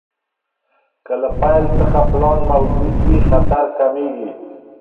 که له پیل څخه پلان موجود وي، خطر کمېږي.